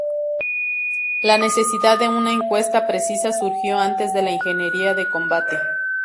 La necesidad de una encuesta precisa surgió antes de la ingeniería de combate.